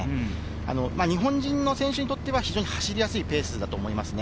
日本人の選手にとっては走りやすいペースだと思います。